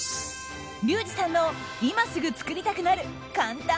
リュウジさんの、今すぐ作りたくなる簡単！